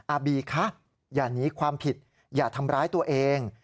บีคะอย่าหนีความผิดอย่าทำร้ายตัวเอง